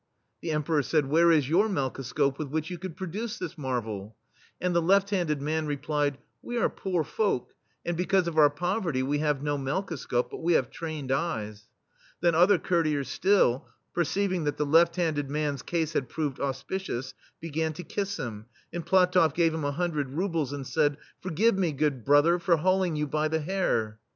The Emperor said :" Where is your melkoscope with which you could pro duce this marvel ?" And the left handed man replied: " We are poor folk, and because of our poverty we have no melkoscope, but we have trained eyes." Then other courtiers still, perceiv ing that the left handed man's case had proved auspicious, began to kiss him, and PlatofF gave him a hundred rubles and said :" Forgive me, good brother, for hauling you by the hair.